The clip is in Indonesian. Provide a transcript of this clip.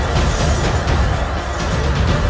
kau akan menang